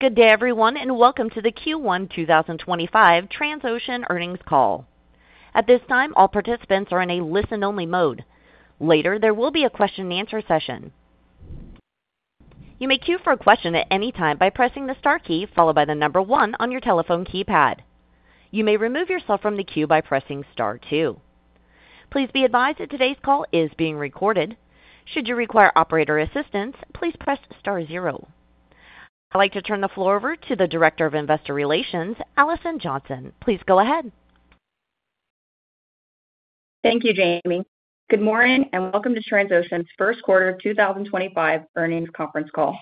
Good day, everyone, and welcome to the Q1 2025 Transocean Earnings Call. At this time, all participants are in a listen-only mode. Later, there will be a question-and-answer session. You may queue for a question at any time by pressing the star key followed by the number one on your telephone keypad. You may remove yourself from the queue by pressing star two. Please be advised that today's call is being recorded. Should you require operator assistance, please press star zero. I'd like to turn the floor over to the Director of Investor Relations, Alison Johnson. Please go ahead. Thank you, Jamie. Good morning and welcome to Transocean's first quarter 2025 earnings conference call.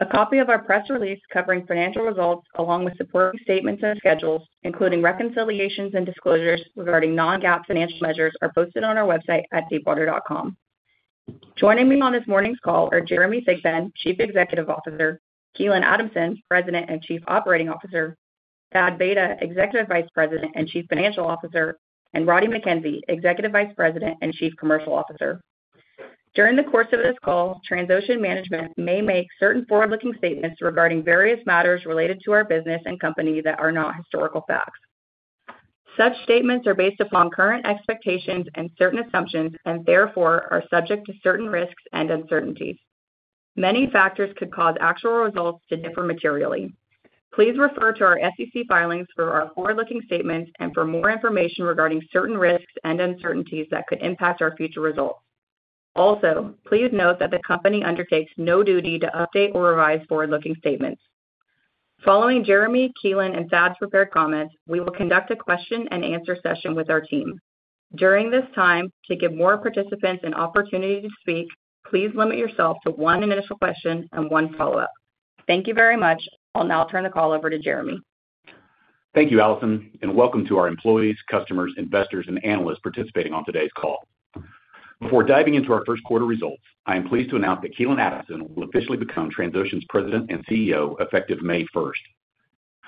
A copy of our press release covering financial results along with supporting statements and schedules, including reconciliations and disclosures regarding non-GAAP financial measures, is posted on our website at deepwater.com. Joining me on this morning's call are Jeremy Thigpen, Chief Executive Officer; Keelan Adamson, President and Chief Operating Officer; Thad Vayda, Executive Vice President and Chief Financial Officer; and Roddie Mackenzie, Executive Vice President and Chief Commercial Officer. During the course of this call, Transocean management may make certain forward-looking statements regarding various matters related to our business and company that are not historical facts. Such statements are based upon current expectations and certain assumptions and therefore are subject to certain risks and uncertainties. Many factors could cause actual results to differ materially. Please refer to our SEC filings for our forward-looking statements and for more information regarding certain risks and uncertainties that could impact our future results. Also, please note that the company undertakes no duty to update or revise forward-looking statements. Following Jeremy, Keelan, and Thad's prepared comments, we will conduct a question-and-answer session with our team. During this time, to give more participants an opportunity to speak, please limit yourself to one initial question and one follow-up. Thank you very much. I'll now turn the call over to Jeremy. Thank you, Alison, and welcome to our employees, customers, investors, and analysts participating on today's call. Before diving into our first quarter results, I am pleased to announce that Keelan Adamson will officially become Transocean's President and CEO effective May 1.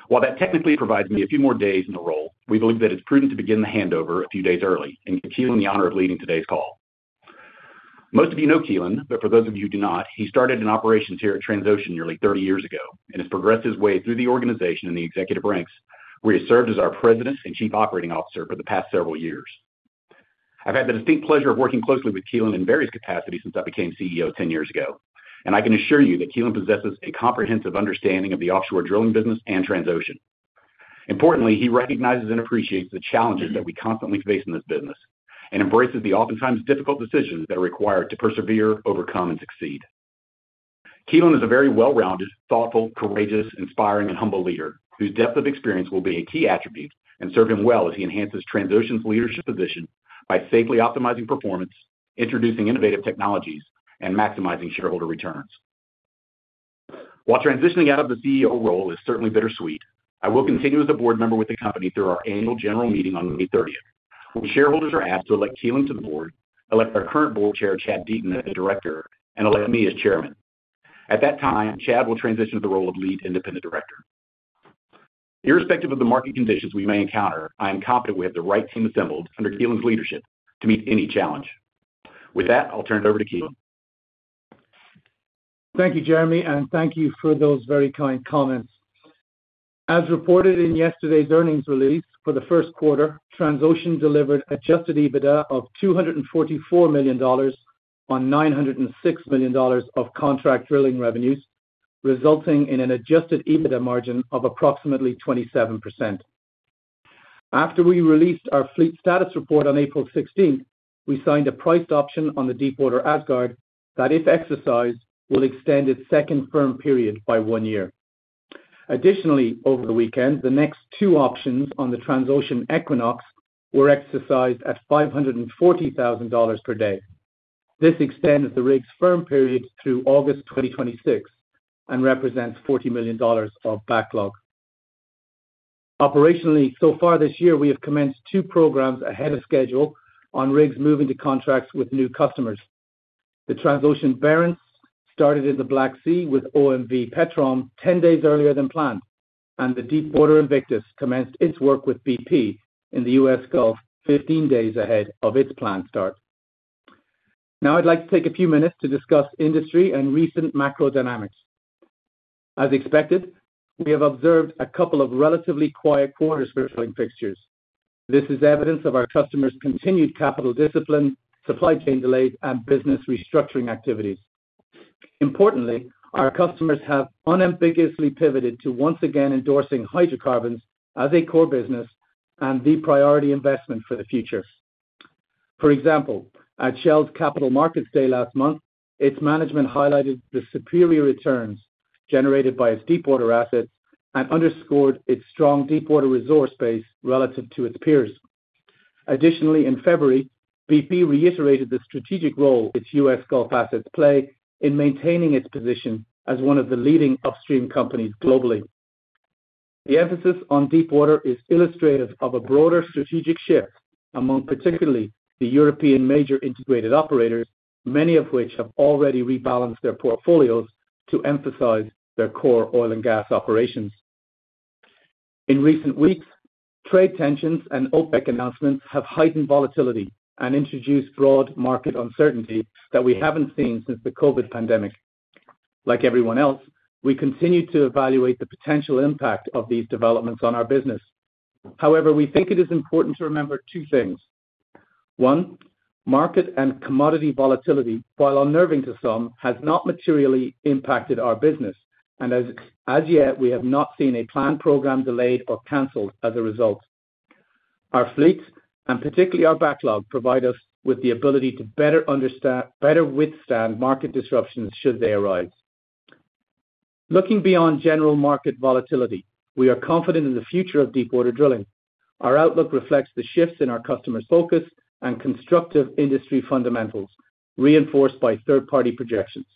While that technically provides me a few more days in the role, we believe that it is prudent to begin the handover a few days early and give Keelan the honor of leading today's call. Most of you know Keelan, but for those of you who do not, he started in operations here at Transocean nearly 30 years ago and has progressed his way through the organization and the executive ranks, where he has served as our President and Chief Operating Officer for the past several years. I've had the distinct pleasure of working closely with Keelan in various capacities since I became CEO 10 years ago, and I can assure you that Keelan possesses a comprehensive understanding of the offshore drilling business and Transocean. Importantly, he recognizes and appreciates the challenges that we constantly face in this business and embraces the oftentimes difficult decisions that are required to persevere, overcome, and succeed. Keelan is a very well-rounded, thoughtful, courageous, inspiring, and humble leader whose depth of experience will be a key attribute and serve him well as he enhances Transocean's leadership position by safely optimizing performance, introducing innovative technologies, and maximizing shareholder returns. While transitioning out of the CEO role is certainly bittersweet, I will continue as a board member with the company through our annual general meeting on May 30th, when shareholders are asked to elect Keelan to the board, elect our current board chair, Chad Deaton, as the director, and elect me as chairman. At that time, Chad will transition to the role of lead independent director. Irrespective of the market conditions we may encounter, I am confident we have the right team assembled under Keelan's leadership to meet any challenge. With that, I'll turn it over to Keelan. Thank you, Jeremy, and thank you for those very kind comments. As reported in yesterday's earnings release for the first quarter, Transocean delivered adjusted EBITDA of $244 million on $906 million of contract drilling revenues, resulting in an adjusted EBITDA margin of approximately 27%. After we released our fleet status report on April 16th, we signed a priced option on the Deepwater Asgard that, if exercised, will extend its second firm period by one year. Additionally, over the weekend, the next two options on the Transocean Equinox were exercised at $540,000 per day. This extends the rig's firm period through August 2026 and represents $40 million of backlog. Operationally, so far this year, we have commenced two programs ahead of schedule on rigs moving to contracts with new customers. The Transocean Barents started in the Black Sea with OMV Petrom 10 days earlier than planned, and the Deepwater Invictus commenced its work with BP in the U.S. Gulf 15 days ahead of its planned start. Now, I'd like to take a few minutes to discuss industry and recent macro dynamics. As expected, we have observed a couple of relatively quiet quarters for drilling fixtures. This is evidence of our customers' continued capital discipline, supply chain delays, and business restructuring activities. Importantly, our customers have unambiguously pivoted to once again endorsing hydrocarbons as a core business and the priority investment for the future. For example, at Shell's Capital Markets Day last month, its management highlighted the superior returns generated by its deepwater assets and underscored its strong deepwater resource base relative to its peers. Additionally, in February, BP reiterated the strategic role its U.S. Gulf assets play in maintaining its position as one of the leading upstream companies globally. The emphasis on deepwater is illustrative of a broader strategic shift among particularly the European major integrated operators, many of which have already rebalanced their portfolios to emphasize their core oil and gas operations. In recent weeks, trade tensions and OPEC announcements have heightened volatility and introduced broad market uncertainty that we have not seen since the COVID pandemic. Like everyone else, we continue to evaluate the potential impact of these developments on our business. However, we think it is important to remember two things. One, market and commodity volatility, while unnerving to some, has not materially impacted our business, and as yet, we have not seen a planned program delayed or canceled as a result. Our fleet, and particularly our backlog, provide us with the ability to better withstand market disruptions should they arise. Looking beyond general market volatility, we are confident in the future of deepwater drilling. Our outlook reflects the shifts in our customers' focus and constructive industry fundamentals, reinforced by third-party projections.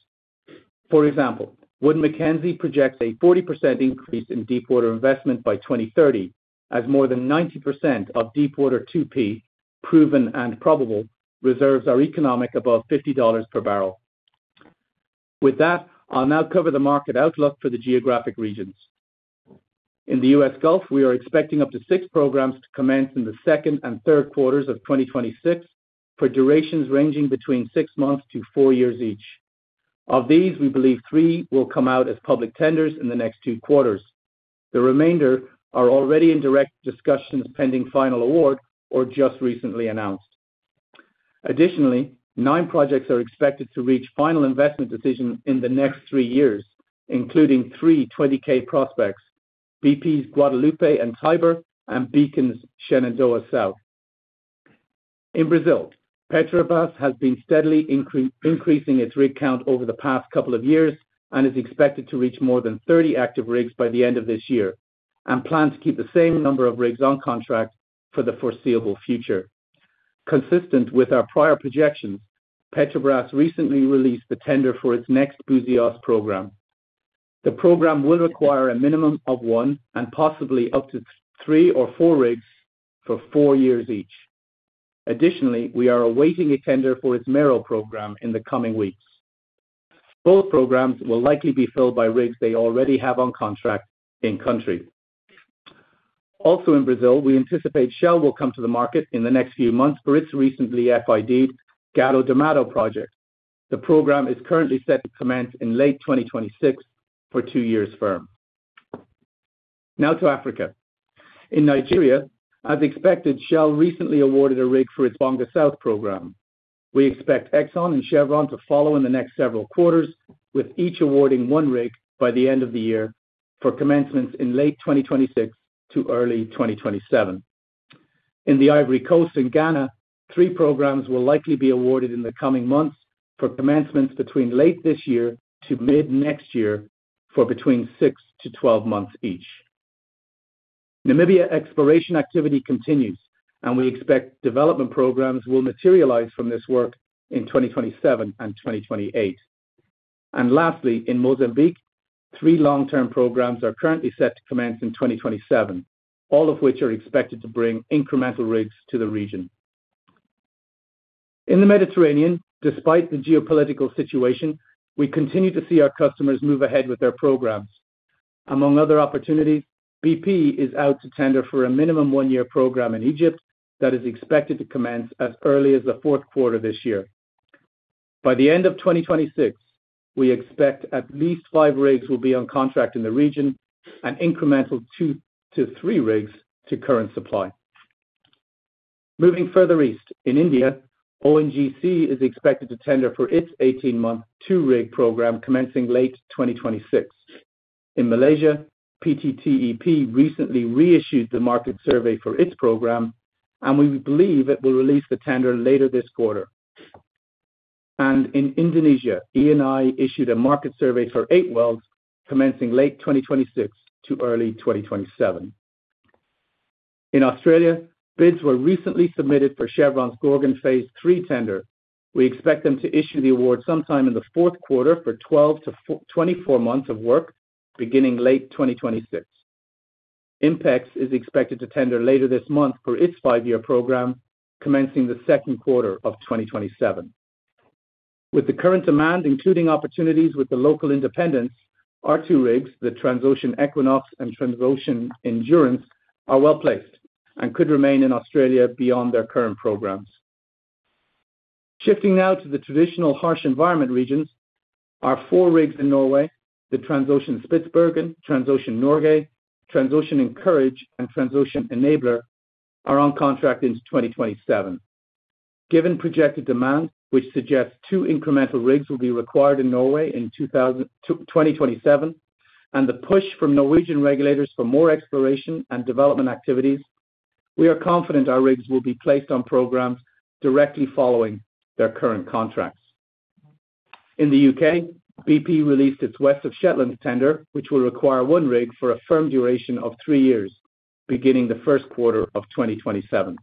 For example, Wood Mackenzie projects a 40% increase in deepwater investment by 2030, as more than 90% of deepwater 2P, proven and probable, reserves are economic above $50 per barrel. With that, I'll now cover the market outlook for the geographic regions. In the U.S. Gulf, we are expecting up to six programs to commence in the second and third quarters of 2026 for durations ranging between six months to four years each. Of these, we believe three will come out as public tenders in the next two quarters. The remainder are already in direct discussions pending final award or just recently announced. Additionally, nine projects are expected to reach final investment decision in the next three years, including three 20K prospects: BP's Guadalupe and Tiber and Beacon's Shenandoah South. In Brazil, Petrobras has been steadily increasing its rig count over the past couple of years and is expected to reach more than 30 active rigs by the end of this year and plans to keep the same number of rigs on contract for the foreseeable future. Consistent with our prior projections, Petrobras recently released the tender for its next Buzios program. The program will require a minimum of one and possibly up to three or four rigs for four years each. Additionally, we are awaiting a tender for its Mero program in the coming weeks. Both programs will likely be filled by rigs they already have on contract in-country. Also in Brazil, we anticipate Shell will come to the market in the next few months for its recently FIDed Gato do Mato project. The program is currently set to commence in late 2026 for two years firm. Now to Africa. In Nigeria, as expected, Shell recently awarded a rig for its Bonga South program. We expect Exxon and Chevron to follow in the next several quarters, with each awarding one rig by the end of the year for commencements in late 2026 to early 2027. In the Ivory Coast and Ghana, three programs will likely be awarded in the coming months for commencements between late this year to mid next year for between 6-12 months each. Namibia exploration activity continues, and we expect development programs will materialize from this work in 2027 and 2028. Lastly, in Mozambique, three long-term programs are currently set to commence in 2027, all of which are expected to bring incremental rigs to the region. In the Mediterranean, despite the geopolitical situation, we continue to see our customers move ahead with their programs. Among other opportunities, BP is out to tender for a minimum one-year program in Egypt that is expected to commence as early as the fourth quarter this year. By the end of 2026, we expect at least five rigs will be on contract in the region and incremental two to three rigs to current supply. Moving further east, in India, ONGC is expected to tender for its 18-month two-rig program commencing late 2026. In Malaysia, PTTEP recently reissued the market survey for its program, and we believe it will release the tender later this quarter. In Indonesia, Eni issued a market survey for eight wells commencing late 2026 to early 2027. In Australia, bids were recently submitted for Chevron's Gorgon Phase III tender. We expect them to issue the award sometime in the fourth quarter for 12-24 months of work beginning late 2026. INPEX is expected to tender later this month for its five-year program commencing the second quarter of 2027. With the current demand, including opportunities with the local independents, our two rigs, the Transocean Equinox and Transocean Endurance, are well placed and could remain in Australia beyond their current programs. Shifting now to the traditional harsh environment regions, our four rigs in Norway, the Transocean Spitsbergen, Transocean Norge, Transocean Encourage, and Transocean Enabler, are on contract into 2027. Given projected demand, which suggests two incremental rigs will be required in Norway in 2027 and the push from Norwegian regulators for more exploration and development activities, we are confident our rigs will be placed on programs directly following their current contracts. In the U.K., BP released its West of Shetland tender, which will require one rig for a firm duration of three years beginning the first quarter of 2027.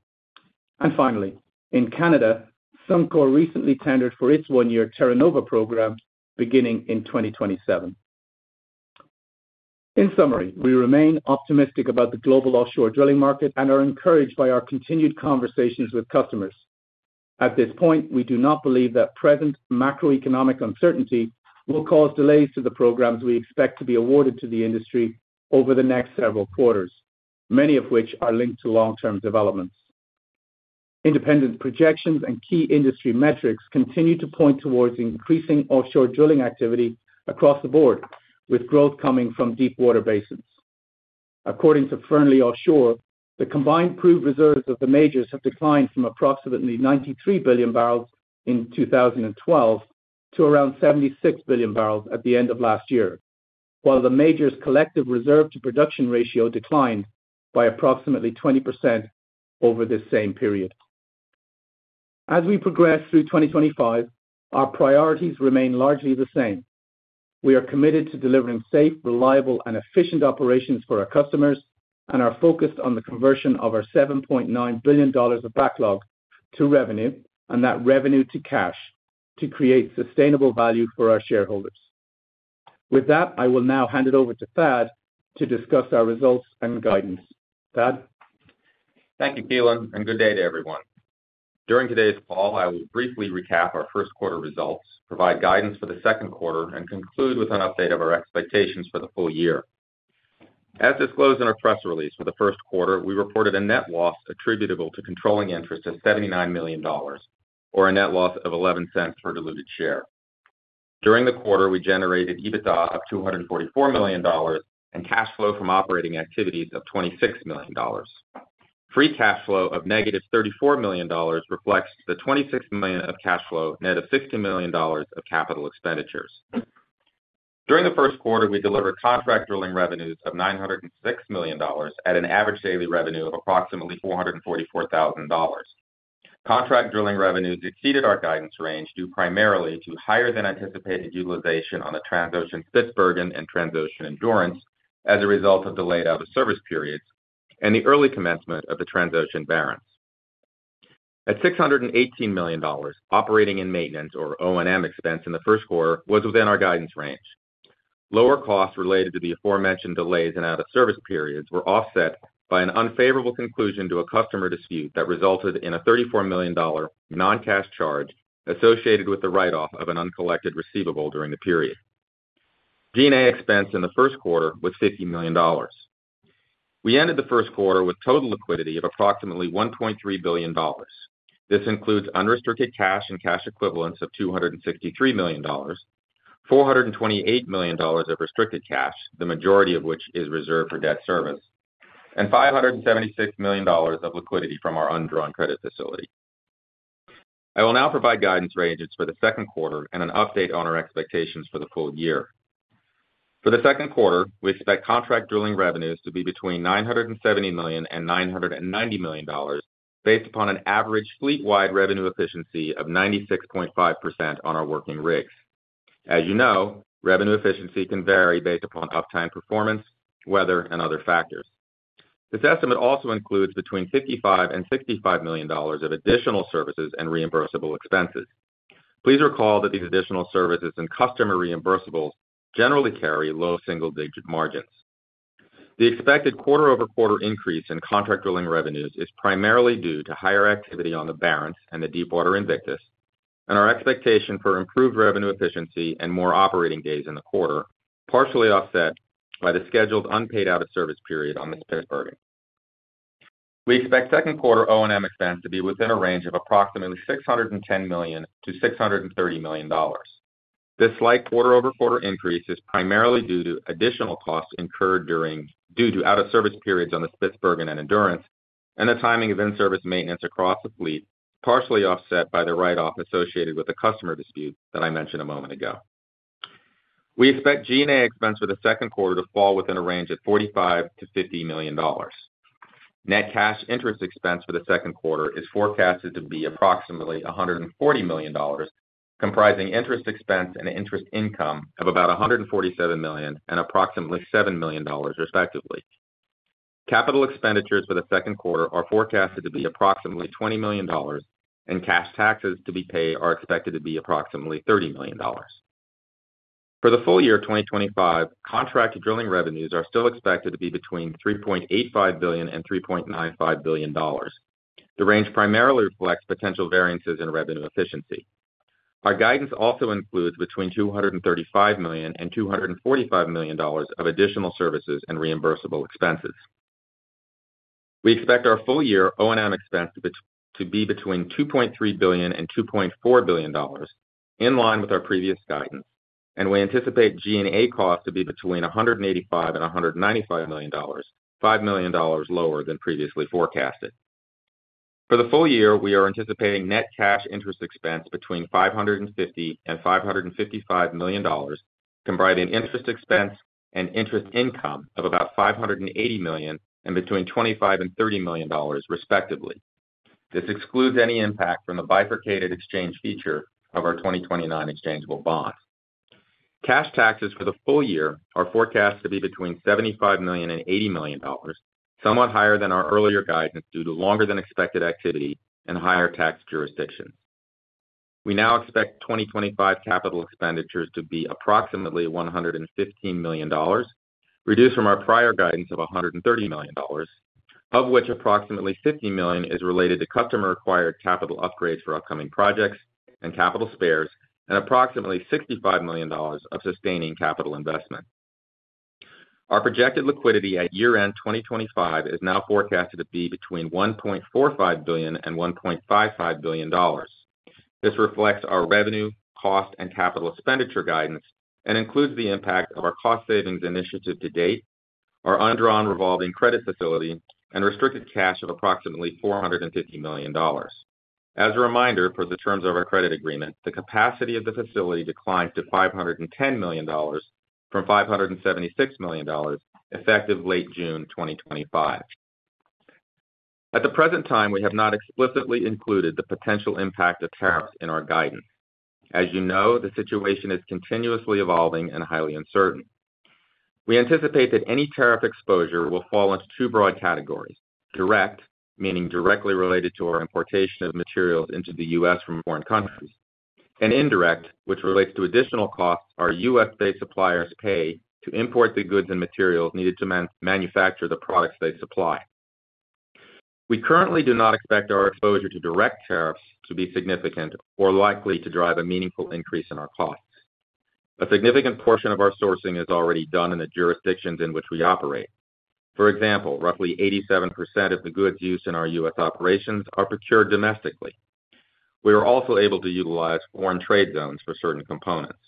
Finally, in Canada, Suncor recently tendered for its one-year Terra Nova program beginning in 2027. In summary, we remain optimistic about the global offshore drilling market and are encouraged by our continued conversations with customers. At this point, we do not believe that present macroeconomic uncertainty will cause delays to the programs we expect to be awarded to the industry over the next several quarters, many of which are linked to long-term developments. Independent projections and key industry metrics continue to point towards increasing offshore drilling activity across the board, with growth coming from deepwater basins. According to Fearnley Offshore, the combined proved reserves of the majors have declined from approximately 93 billion barrels in 2012 to around 76 billion barrels at the end of last year, while the majors' collective reserve-to-production ratio declined by approximately 20% over this same period. As we progress through 2025, our priorities remain largely the same. We are committed to delivering safe, reliable, and efficient operations for our customers and are focused on the conversion of our $7.9 billion of backlog to revenue and that revenue to cash to create sustainable value for our shareholders. With that, I will now hand it over to Thad to discuss our results and guidance. Thad. Thank you, Keelan, and good day to everyone. During today's call, I will briefly recap our first quarter results, provide guidance for the second quarter, and conclude with an update of our expectations for the full year. As disclosed in our press release for the first quarter, we reported a net loss attributable to controlling interest of $79 million, or a net loss of $0.11 per diluted share. During the quarter, we generated EBITDA of $244 million and cash flow from operating activities of $26 million. Free cash flow of negative $34 million reflects the $26 million of cash flow, net of $60 million of capital expenditures. During the first quarter, we delivered contract drilling revenues of $906 million at an average daily revenue of approximately $444,000. Contract drilling revenues exceeded our guidance range due primarily to higher-than-anticipated utilization on the Transocean Spitsbergen and Transocean Endurance as a result of delayed out-of-service periods and the early commencement of the Transocean Barents. At $618 million, operating and maintenance, or O&M, expense in the first quarter was within our guidance range. Lower costs related to the aforementioned delays and out-of-service periods were offset by an unfavorable conclusion to a customer dispute that resulted in a $34 million non-cash charge associated with the write-off of an uncollected receivable during the period. G&A expense in the first quarter was $50 million. We ended the first quarter with total liquidity of approximately $1.3 billion. This includes unrestricted cash and cash equivalents of $263 million, $428 million of restricted cash, the majority of which is reserved for debt service, and $576 million of liquidity from our undrawn credit facility. I will now provide guidance ranges for the second quarter and an update on our expectations for the full year. For the second quarter, we expect contract drilling revenues to be between $970 million and $990 million based upon an average fleet-wide revenue efficiency of 96.5% on our working rigs. As you know, revenue efficiency can vary based upon uptime performance, weather, and other factors. This estimate also includes between $55 million and $65 million of additional services and reimbursable expenses. Please recall that these additional services and customer reimbursables generally carry low single-digit margins. The expected quarter-over-quarter increase in contract drilling revenues is primarily due to higher activity on the Barents and the deepwater Invictus, and our expectation for improved revenue efficiency and more operating days in the quarter is partially offset by the scheduled unpaid out-of-service period on the Spitsbergen. We expect second quarter O&M expense to be within a range of approximately $610 million-$630 million. This slight quarter-over-quarter increase is primarily due to additional costs incurred due to out-of-service periods on the Spitsbergen and Endurance and the timing of in-service maintenance across the fleet, partially offset by the write-off associated with the customer dispute that I mentioned a moment ago. We expect G&A expense for the second quarter to fall within a range of $45-$50 million. Net cash interest expense for the second quarter is forecasted to be approximately $140 million, comprising interest expense and interest income of about $147 million and approximately $7 million, respectively. Capital expenditures for the second quarter are forecasted to be approximately $20 million, and cash taxes to be paid are expected to be approximately $30 million. For the full year of 2025, contract drilling revenues are still expected to be between $3.85 billion and $3.95 billion. The range primarily reflects potential variances in revenue efficiency. Our guidance also includes between $235 million and $245 million of additional services and reimbursable expenses. We expect our full year O&M expense to be between $2.3 billion and $2.4 billion, in line with our previous guidance, and we anticipate G&A costs to be between $185 million and $195 million, $5 million lower than previously forecasted. For the full year, we are anticipating net cash interest expense between $550 million and $555 million, combining interest expense and interest income of about $580 million and between $25 million and $30 million, respectively. This excludes any impact from the bifurcated exchange feature of our 2029 exchangeable bonds. Cash taxes for the full year are forecast to be between $75 million and $80 million, somewhat higher than our earlier guidance due to longer-than-expected activity and higher tax jurisdictions. We now expect 2025 capital expenditures to be approximately $115 million, reduced from our prior guidance of $130 million, of which approximately $50 million is related to customer-required capital upgrades for upcoming projects and capital spares, and approximately $65 million of sustaining capital investment. Our projected liquidity at year-end 2025 is now forecasted to be between $1.45 billion and $1.55 billion. This reflects our revenue, cost, and capital expenditure guidance and includes the impact of our cost savings initiative to date, our undrawn revolving credit facility, and restricted cash of approximately $450 million. As a reminder, per the terms of our credit agreement, the capacity of the facility declined to $510 million from $576 million effective late June 2025. At the present time, we have not explicitly included the potential impact of tariffs in our guidance. As you know, the situation is continuously evolving and highly uncertain. We anticipate that any tariff exposure will fall into two broad categories: direct, meaning directly related to our importation of materials into the U.S. from foreign countries, and indirect, which relates to additional costs our U.S.-based suppliers pay to import the goods and materials needed to manufacture the products they supply. We currently do not expect our exposure to direct tariffs to be significant or likely to drive a meaningful increase in our costs. A significant portion of our sourcing is already done in the jurisdictions in which we operate. For example, roughly 87% of the goods used in our U.S. operations are procured domestically. We are also able to utilize foreign trade zones for certain components.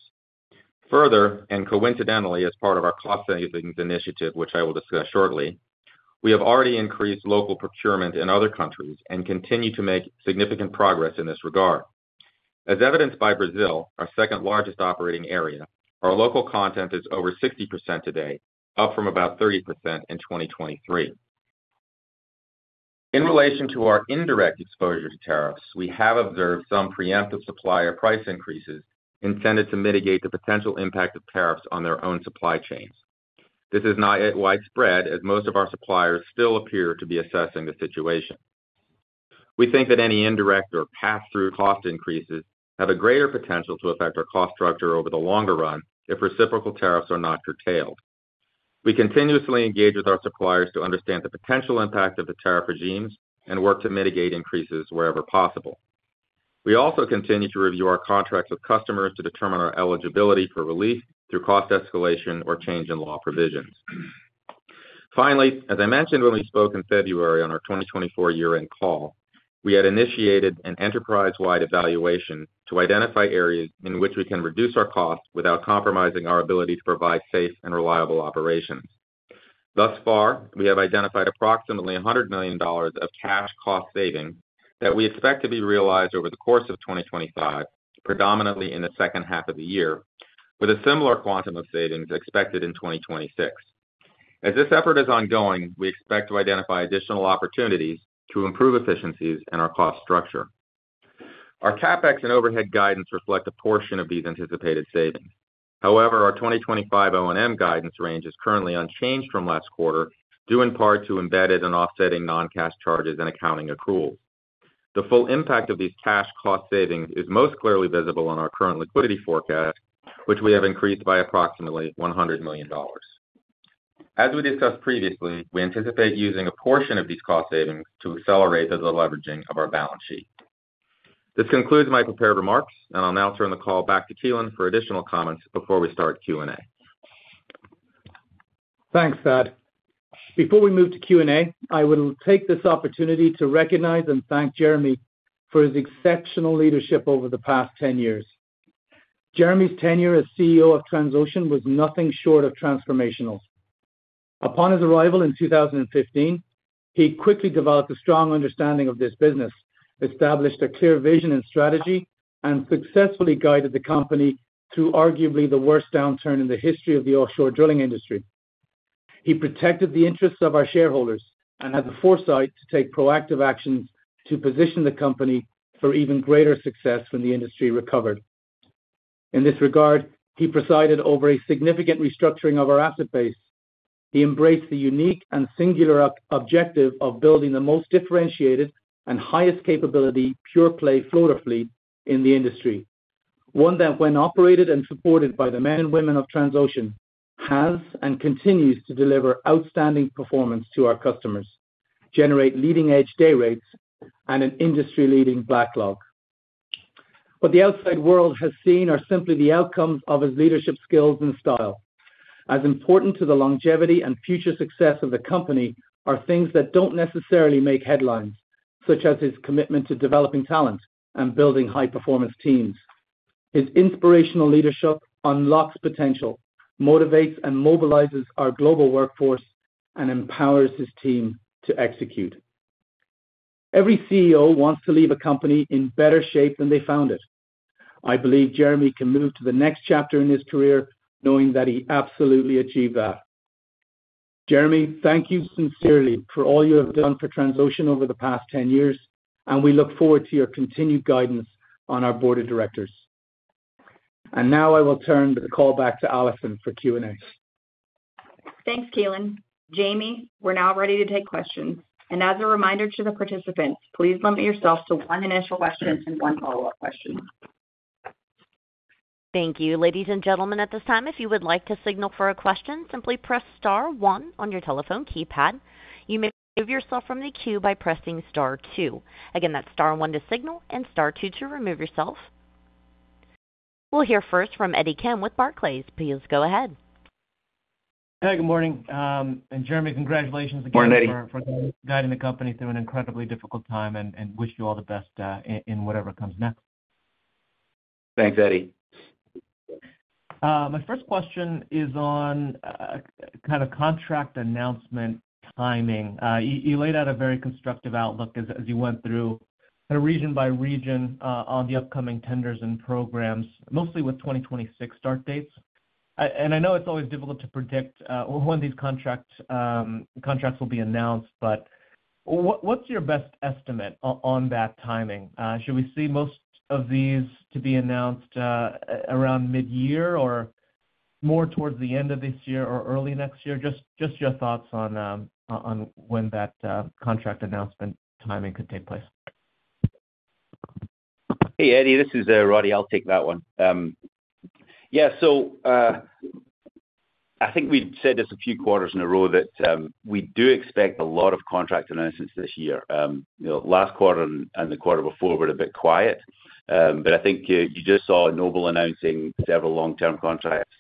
Further, and coincidentally as part of our cost savings initiative, which I will discuss shortly, we have already increased local procurement in other countries and continue to make significant progress in this regard. As evidenced by Brazil, our second-largest operating area, our local content is over 60% today, up from about 30% in 2023. In relation to our indirect exposure to tariffs, we have observed some preemptive supplier price increases intended to mitigate the potential impact of tariffs on their own supply chains. This is not yet widespread, as most of our suppliers still appear to be assessing the situation. We think that any indirect or pass-through cost increases have a greater potential to affect our cost structure over the longer run if reciprocal tariffs are not curtailed. We continuously engage with our suppliers to understand the potential impact of the tariff regimes and work to mitigate increases wherever possible. We also continue to review our contracts with customers to determine our eligibility for relief through cost escalation or change in law provisions. Finally, as I mentioned when we spoke in February on our 2024 year-end call, we had initiated an enterprise-wide evaluation to identify areas in which we can reduce our costs without compromising our ability to provide safe and reliable operations. Thus far, we have identified approximately $100 million of cash cost savings that we expect to be realized over the course of 2025, predominantly in the second half of the year, with a similar quantum of savings expected in 2026. As this effort is ongoing, we expect to identify additional opportunities to improve efficiencies in our cost structure. Our CapEx and overhead guidance reflect a portion of these anticipated savings. However, our 2025 O&M guidance range is currently unchanged from last quarter, due in part to embedded and offsetting non-cash charges and accounting accruals. The full impact of these cash cost savings is most clearly visible on our current liquidity forecast, which we have increased by approximately $100 million. As we discussed previously, we anticipate using a portion of these cost savings to accelerate the leveraging of our balance sheet. This concludes my prepared remarks, and I'll now turn the call back to Keelan for additional comments before we start Q&A. Thanks, Thad. Before we move to Q&A, I will take this opportunity to recognize and thank Jeremy for his exceptional leadership over the past 10 years. Jeremy's tenure as CEO of Transocean was nothing short of transformational. Upon his arrival in 2015, he quickly developed a strong understanding of this business, established a clear vision and strategy, and successfully guided the company through arguably the worst downturn in the history of the offshore drilling industry. He protected the interests of our shareholders and had the foresight to take proactive actions to position the company for even greater success when the industry recovered. In this regard, he presided over a significant restructuring of our asset base. He embraced the unique and singular objective of building the most differentiated and highest capability pure-play floater fleet in the industry, one that, when operated and supported by the men and women of Transocean, has and continues to deliver outstanding performance to our customers, generate leading-edge day rates, and an industry-leading backlog. What the outside world has seen are simply the outcomes of his leadership skills and style. As important to the longevity and future success of the company are things that do not necessarily make headlines, such as his commitment to developing talent and building high-performance teams. His inspirational leadership unlocks potential, motivates and mobilizes our global workforce, and empowers his team to execute. Every CEO wants to leave a company in better shape than they found it. I believe Jeremy can move to the next chapter in his career knowing that he absolutely achieved that. Jeremy, thank you sincerely for all you have done for Transocean over the past 10 years, and we look forward to your continued guidance on our board of directors. I will turn the call back to Alison for Q&A. Thanks, Keelan. Jamie, we're now ready to take questions. As a reminder to the participants, please limit yourself to one initial question and one follow-up question. Thank you. Ladies and gentlemen, at this time, if you would like to signal for a question, simply press Star 1 on your telephone keypad. You may remove yourself from the queue by pressing Star 2. Again, that's Star 1 to signal and Star 2 to remove yourself. We'll hear first from Eddie Kim with Barclays. Please go ahead. Hey, good morning. Jeremy, congratulations again for guiding the company through an incredibly difficult time, and wish you all the best in whatever comes next. Thanks, Eddie. My first question is on kind of contract announcement timing. You laid out a very constructive outlook as you went through kind of region by region on the upcoming tenders and programs, mostly with 2026 start dates. I know it's always difficult to predict when these contracts will be announced, but what's your best estimate on that timing? Should we see most of these to be announced around mid-year or more towards the end of this year or early next year? Just your thoughts on when that contract announcement timing could take place. Hey, Eddie, this is Roddie. I'll take that one. Yeah, I think we've said this a few quarters in a row that we do expect a lot of contract announcements this year. Last quarter and the quarter before were a bit quiet, but I think you just saw Noble announcing several long-term contracts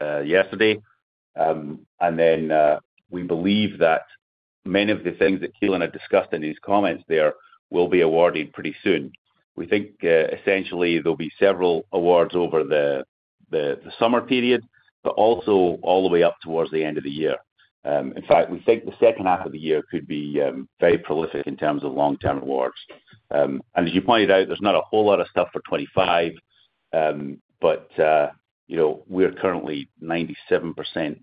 yesterday. We believe that many of the things that Keelan had discussed in his comments there will be awarded pretty soon. We think essentially there'll be several awards over the summer period, but also all the way up towards the end of the year. In fact, we think the second half of the year could be very prolific in terms of long-term awards. As you pointed out, there's not a whole lot of stuff for 2025, but we're currently 97%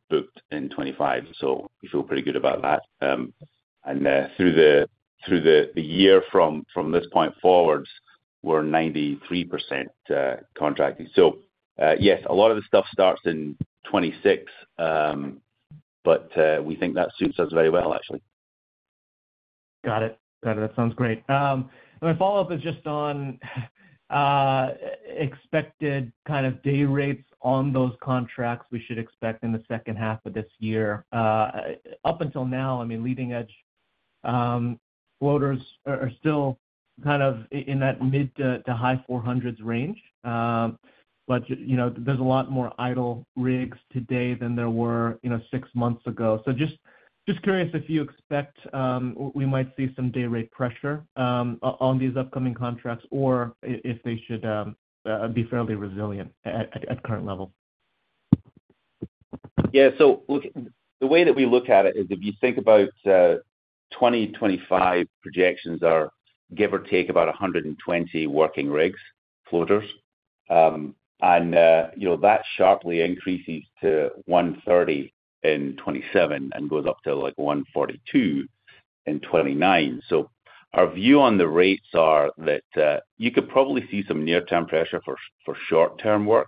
booked in 2025, so we feel pretty good about that. Through the year from this point forward, we're 93% contracting. Yes, a lot of the stuff starts in 2026, but we think that suits us very well, actually. Got it. Got it. That sounds great. My follow-up is just on expected kind of day rates on those contracts we should expect in the second half of this year. Up until now, I mean, leading-edge floaters are still kind of in that mid to high $400,000s range, but there's a lot more idle rigs today than there were six months ago. Just curious if you expect we might see some day rate pressure on these upcoming contracts or if they should be fairly resilient at current level. Yeah. The way that we look at it is if you think about 2025, projections are give or take about 120 working rigs, floaters, and that sharply increases to 130 in 2027 and goes up to like 142 in 2029. Our view on the rates is that you could probably see some near-term pressure for short-term work,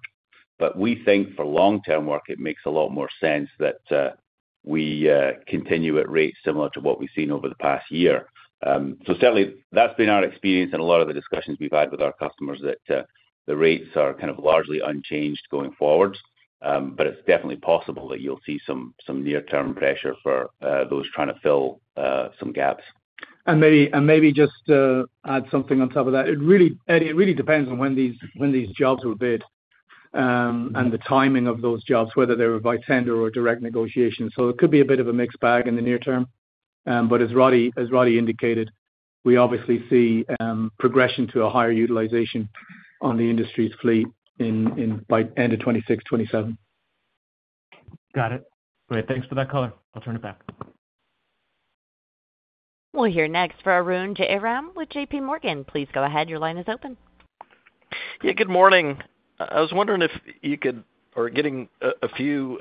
but we think for long-term work, it makes a lot more sense that we continue at rates similar to what we've seen over the past year. Certainly, that's been our experience and a lot of the discussions we've had with our customers that the rates are kind of largely unchanged going forward, but it's definitely possible that you'll see some near-term pressure for those trying to fill some gaps. Maybe just add something on top of that. Eddie, it really depends on when these jobs were bid and the timing of those jobs, whether they were by tender or direct negotiation. It could be a bit of a mixed bag in the near term, but as Roddie indicated, we obviously see progression to a higher utilization on the industry's fleet by end of 2026, 2027. Got it. Great. Thanks for that, Colin. I'll turn it back. We'll hear next for Arun Jayaram with J.P. Morgan. Please go ahead. Your line is open. Yeah, good morning. I was wondering if you could or getting a few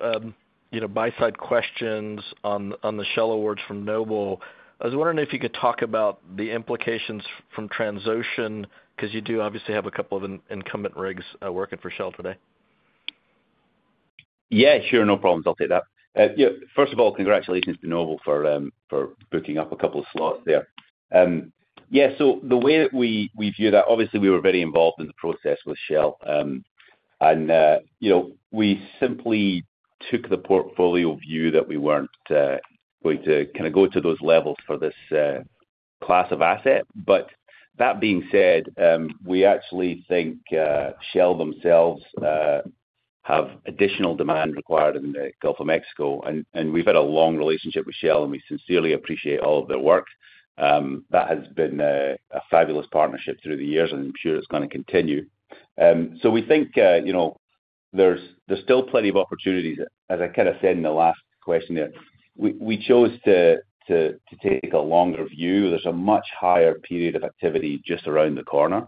buy-side questions on the Shell awards from Noble. I was wondering if you could talk about the implications from Transocean because you do obviously have a couple of incumbent rigs working for Shell today. Yeah, sure. No problem. I'll take that. First of all, congratulations to Noble for booking up a couple of slots there. Yeah, the way that we view that, obviously, we were very involved in the process with Shell, and we simply took the portfolio view that we weren't going to kind of go to those levels for this class of asset. That being said, we actually think Shell themselves have additional demand required in the Gulf of Mexico, and we've had a long relationship with Shell, and we sincerely appreciate all of their work. That has been a fabulous partnership through the years, and I'm sure it's going to continue. We think there's still plenty of opportunities. As I kind of said in the last question there, we chose to take a longer view. There's a much higher period of activity just around the corner.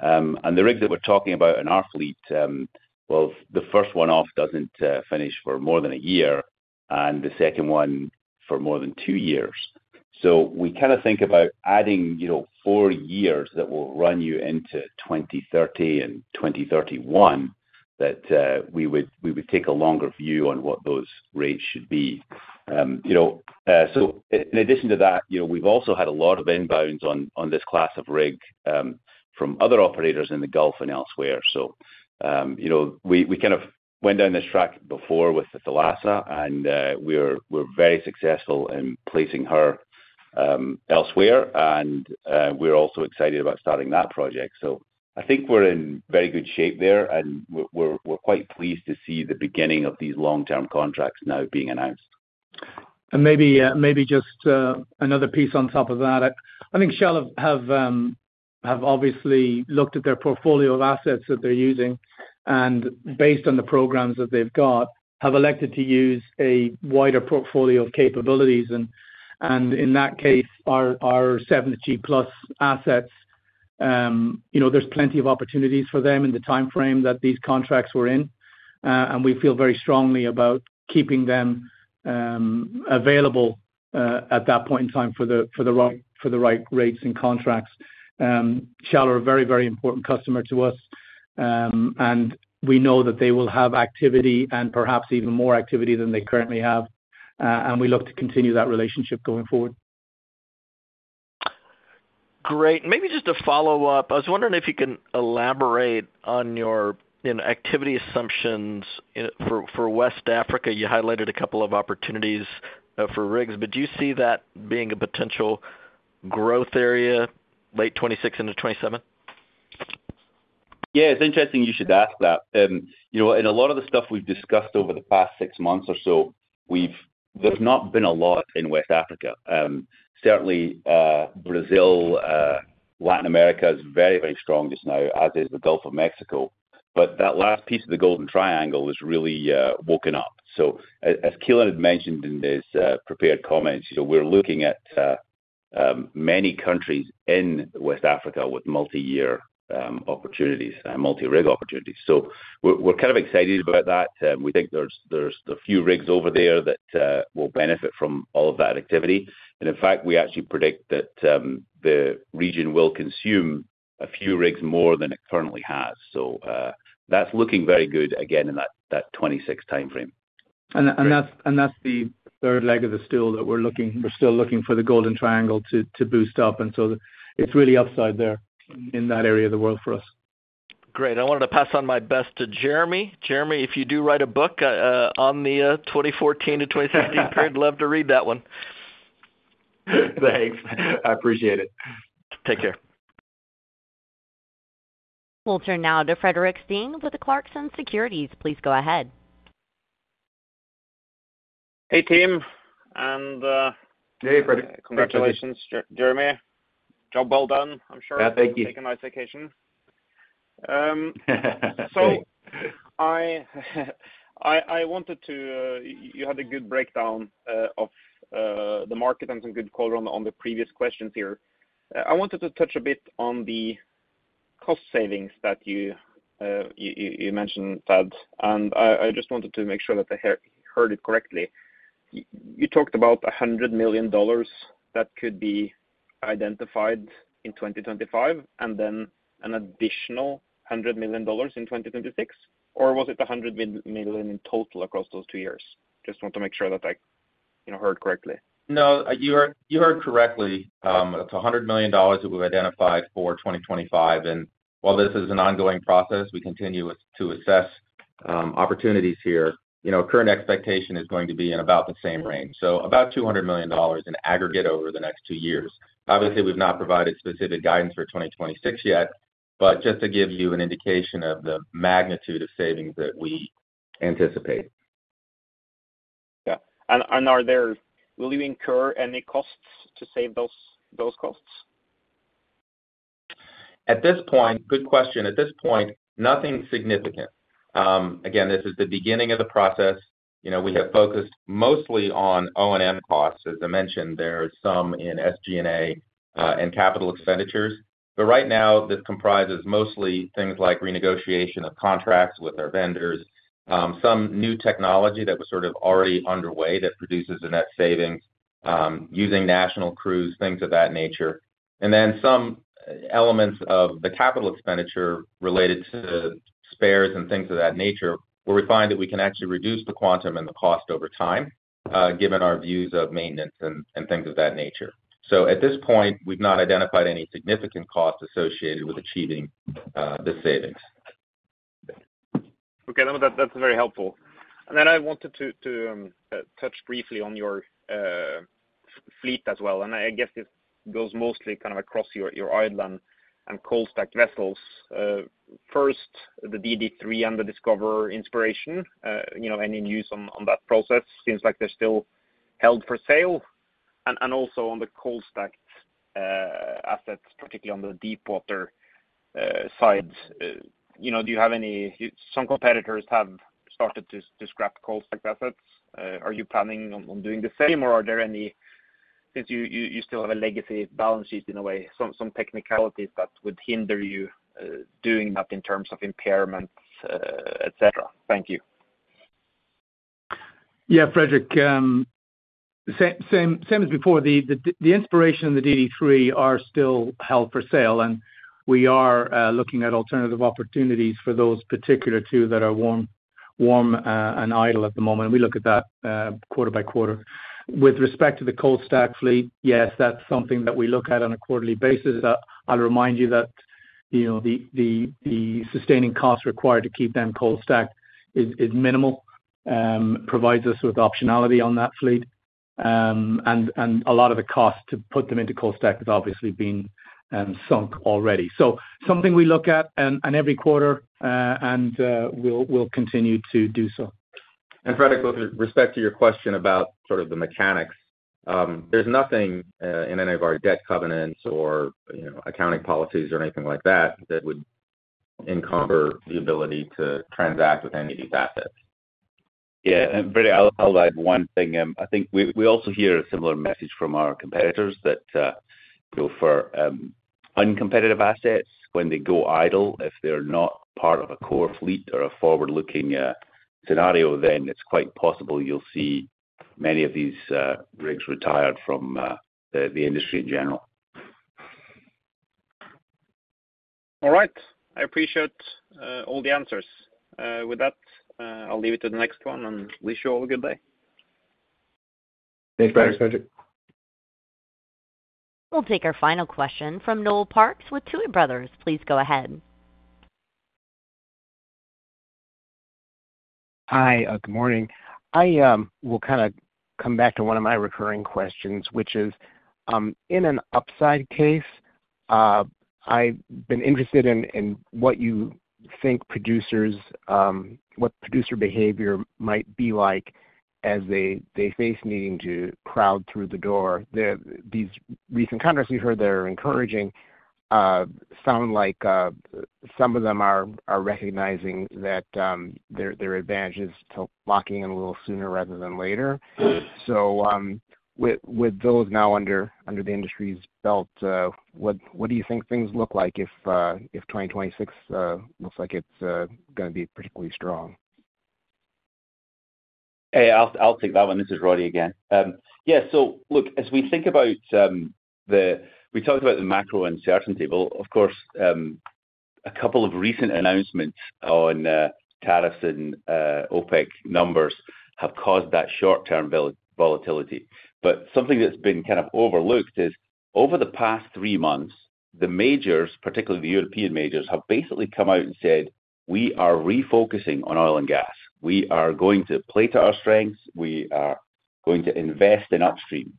The rigs that we're talking about in our fleet, the first one off does not finish for more than a year, and the second one for more than two years. We kind of think about adding four years that will run you into 2030 and 2031, that we would take a longer view on what those rates should be. In addition to that, we've also had a lot of inbounds on this class of rig from other operators in the Gulf and elsewhere. We kind of went down this track before with Thalassa, and we were very successful in placing her elsewhere, and we're also excited about starting that project. I think we're in very good shape there, and we're quite pleased to see the beginning of these long-term contracts now being announced. Maybe just another piece on top of that, I think Shell have obviously looked at their portfolio of assets that they're using, and based on the programs that they've got, have elected to use a wider portfolio of capabilities. In that case, our 70 plus assets, there's plenty of opportunities for them in the timeframe that these contracts were in, and we feel very strongly about keeping them available at that point in time for the right rates and contracts. Shell are a very, very important customer to us, and we know that they will have activity and perhaps even more activity than they currently have, and we look to continue that relationship going forward. Great. Maybe just a follow-up. I was wondering if you can elaborate on your activity assumptions for West Africa. You highlighted a couple of opportunities for rigs, but do you see that being a potential growth area late 2026 into 2027? Yeah, it's interesting you should ask that. In a lot of the stuff we've discussed over the past six months or so, there's not been a lot in West Africa. Certainly, Brazil, Latin America is very, very strong just now, as is the Gulf of Mexico. That last piece of the golden triangle is really woken up. As Keelan had mentioned in his prepared comments, we're looking at many countries in West Africa with multi-year opportunities and multi-rig opportunities. We're kind of excited about that. We think there's a few rigs over there that will benefit from all of that activity. In fact, we actually predict that the region will consume a few rigs more than it currently has. That's looking very good again in that 2026 timeframe. That's the third leg of the stool that we're looking. We're still looking for the golden triangle to boost up, and so it's really upside there in that area of the world for us. Great. I wanted to pass on my best to Jeremy. Jeremy, if you do write a book on the 2014 to 2016 period, love to read that one. Thanks. I appreciate it. Take care. We'll turn now to Fredrik Stene with Clarkson Securities. Please go ahead. Hey, team. Congratulations, Jeremy. Job well done, I'm sure. Yeah, thank you. Take a nice vacation. I wanted to—you had a good breakdown of the market and some good color on the previous questions here. I wanted to touch a bit on the cost savings that you mentioned, Thad, and I just wanted to make sure that I heard it correctly. You talked about $100 million that could be identified in 2025 and then an additional $100 million in 2026, or was it $100 million in total across those two years? Just want to make sure that I heard correctly. No, you heard correctly. It's $100 million that we've identified for 2025. While this is an ongoing process, we continue to assess opportunities here. Current expectation is going to be in about the same range, so about $200 million in aggregate over the next two years. Obviously, we've not provided specific guidance for 2026 yet, just to give you an indication of the magnitude of savings that we anticipate. Yeah. Will you incur any costs to save those costs? At this point, good question. At this point, nothing significant. Again, this is the beginning of the process. We have focused mostly on O&M costs. As I mentioned, there are some in SG&A and capital expenditures. Right now, this comprises mostly things like renegotiation of contracts with our vendors, some new technology that was sort of already underway that produces a net savings using national crews, things of that nature, and then some elements of the capital expenditure related to spares and things of that nature where we find that we can actually reduce the quantum and the cost over time given our views of maintenance and things of that nature. At this point, we've not identified any significant cost associated with achieving the savings. Okay. That's very helpful. I wanted to touch briefly on your fleet as well. I guess this goes mostly kind of across your idle and cold-stacked vessels. First, the DD-3 and the Discoverer Inspiration, any news on that process? Seems like they're still held for sale. Also, on the cold-stacked assets, particularly on the deepwater side, do you have any—some competitors have started to scrap cold-stacked assets. Are you planning on doing the same, or are there any—since you still have a legacy balance sheet in a way, some technicalities that would hinder you doing that in terms of impairments, etc.? Thank you. Yeah, Frederick, same as before. The Inspiration and the DD-3 are still held for sale, and we are looking at alternative opportunities for those particular two that are warm and idle at the moment. We look at that quarter by quarter. With respect to the cold-stacked fleet, yes, that's something that we look at on a quarterly basis. I'll remind you that the sustaining costs required to keep them cold-stacked is minimal, provides us with optionality on that fleet, and a lot of the cost to put them into cold-stack has obviously been sunk already. Something we look at every quarter, and we'll continue to do so. Frederick, with respect to your question about sort of the mechanics, there is nothing in any of our debt covenants or accounting policies or anything like that that would encumber the ability to transact with any of these assets. Yeah. I will add one thing. I think we also hear a similar message from our competitors that for uncompetitive assets, when they go idle, if they are not part of a core fleet or a forward-looking scenario, then it is quite possible you will see many of these rigs retired from the industry in general. All right. I appreciate all the answers. With that, I'll leave it to the next one and wish you all a good day. Thanks, Fredrik. We'll take our final question from Noel Parks with Tuohy Brothers. Please go ahead. Hi, good morning. I will kind of come back to one of my recurring questions, which is in an upside case, I've been interested in what you think producers—what producer behavior might be like as they face needing to crowd through the door. These recent contracts we've heard that are encouraging sound like some of them are recognizing that their advantage is to lock in a little sooner rather than later. With those now under the industry's belt, what do you think things look like if 2026 looks like it's going to be particularly strong? Hey, I'll take that one. This is Roddie again. Yeah. As we think about the—we talked about the macro uncertainty. Of course, a couple of recent announcements on tariffs and OPEC numbers have caused that short-term volatility. Something that's been kind of overlooked is over the past three months, the majors, particularly the European majors, have basically come out and said, "We are refocusing on oil and gas. We are going to play to our strengths. We are going to invest in upstream."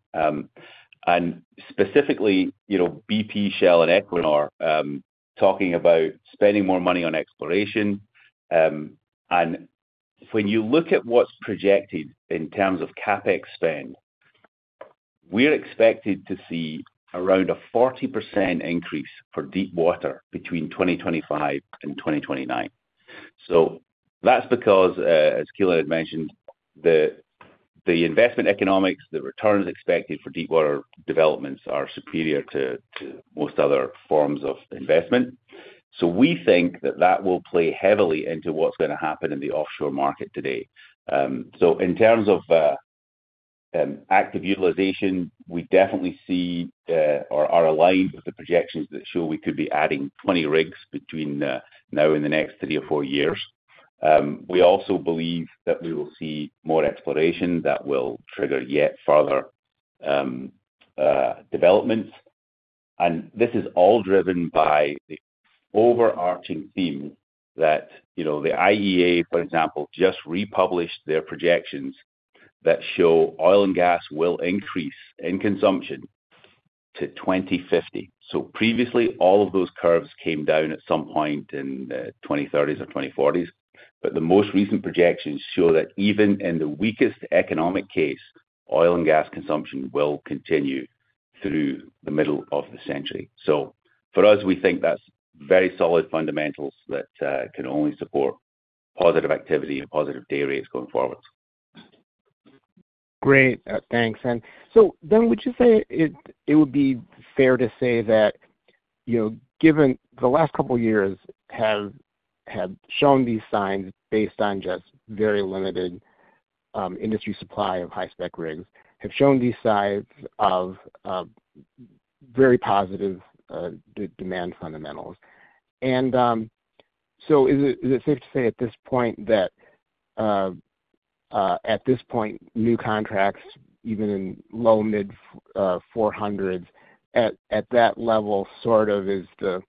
Specifically, BP, Shell, and Equinor talking about spending more money on exploration. When you look at what's projected in terms of CapEx spend, we're expected to see around a 40% increase for deepwater between 2025 and 2029. That is because, as Keelan had mentioned, the investment economics, the returns expected for deepwater developments are superior to most other forms of investment. We think that that will play heavily into what is going to happen in the offshore market today. In terms of active utilization, we definitely see or are aligned with the projections that show we could be adding 20 rigs between now and the next three or four years. We also believe that we will see more exploration that will trigger yet further development. This is all driven by the overarching theme that the IEA, for example, just republished their projections that show oil and gas will increase in consumption to 2050. Previously, all of those curves came down at some point in the 2030s or 2040s. The most recent projections show that even in the weakest economic case, oil and gas consumption will continue through the middle of the century. For us, we think that's very solid fundamentals that can only support positive activity and positive day rates going forward. Great. Thanks. Would you say it would be fair to say that given the last couple of years have shown these signs based on just very limited industry supply of high-spec rigs have shown these signs of very positive demand fundamentals. Is it safe to say at this point that at this point, new contracts, even in low mid-400s, at that level sort of is the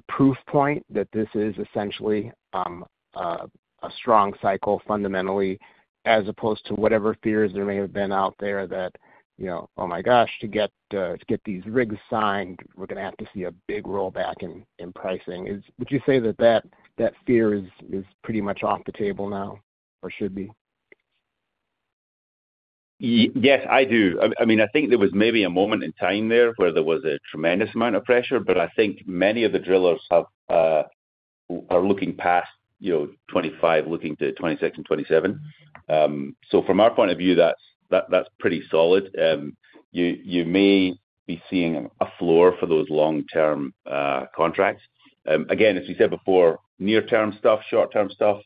proof point that this is essentially a strong cycle fundamentally as opposed to whatever fears there may have been out there that, "Oh my gosh, to get these rigs signed, we're going to have to see a big rollback in pricing." Would you say that that fear is pretty much off the table now or should be? Yes, I do. I mean, I think there was maybe a moment in time there where there was a tremendous amount of pressure, but I think many of the drillers are looking past 2025, looking to 2026 and 2027. From our point of view, that's pretty solid. You may be seeing a floor for those long-term contracts. Again, as we said before, near-term stuff, short-term stuff,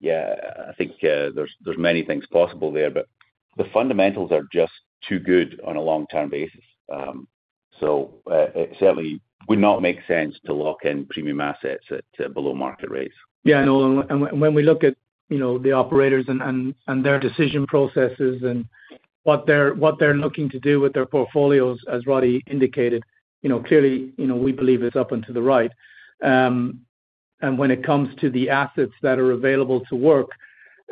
yeah, I think there's many things possible there, but the fundamentals are just too good on a long-term basis. It certainly would not make sense to lock in premium assets at below market rates. Yeah. When we look at the operators and their decision processes and what they're looking to do with their portfolios, as Roddie indicated, clearly, we believe it's up and to the right. When it comes to the assets that are available to work,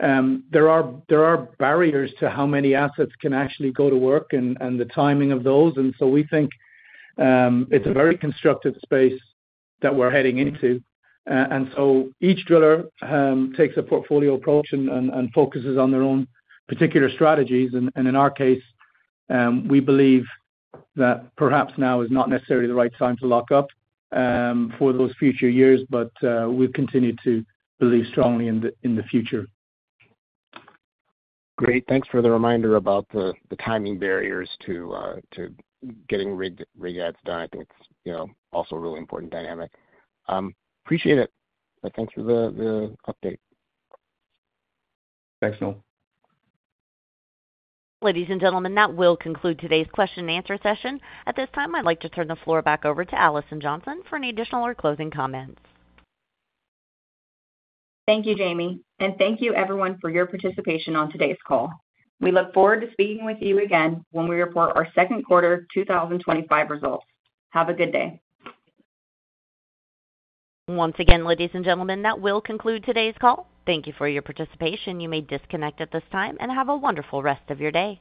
there are barriers to how many assets can actually go to work and the timing of those. We think it's a very constructive space that we're heading into. Each driller takes a portfolio approach and focuses on their own particular strategies. In our case, we believe that perhaps now is not necessarily the right time to lock up for those future years, but we've continued to believe strongly in the future. Great. Thanks for the reminder about the timing barriers to getting rig ads done. I think it's also a really important dynamic. Appreciate it. Thanks for the update. Thanks, Noel. Ladies and gentlemen, that will conclude today's question-and-answer session. At this time, I'd like to turn the floor back over to Alison Johnson for any additional or closing comments. Thank you, Jamie. Thank you, everyone, for your participation on today's call. We look forward to speaking with you again when we report our second quarter 2025 results. Have a good day. Once again, ladies and gentlemen, that will conclude today's call. Thank you for your participation. You may disconnect at this time and have a wonderful rest of your day.